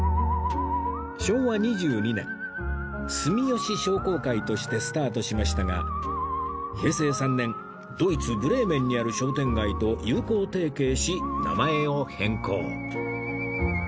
昭和２２年住吉商興会としてスタートしましたが平成３年ドイツブレーメンにある商店街と友好提携し名前を変更